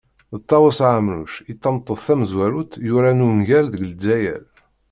D Ṭawes Ɛemruc i tameṭṭut tamezwarut yuran ungal deg Lezzayer.